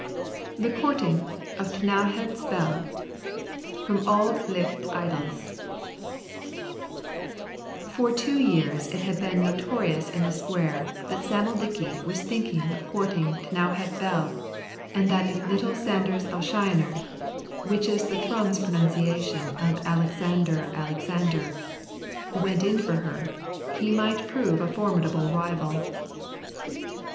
THE COURTING OF T'NOWHEAD'S BELL From 'Auld Licht Idylls' For two years it had been notorious in the square that Sam'l Dickie was thinking of courting T'nowhead's Bell, and that if little Sanders Elshioner (which is the Thrums pronunciation of Alexander Alexander) went in for her, he might prove a formidable rival.